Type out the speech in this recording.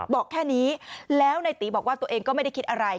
บอกแค่นี้แล้วในตีบอกว่าตัวเองก็ไม่ได้คิดอะไร